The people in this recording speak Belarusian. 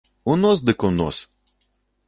У нос дык у нос!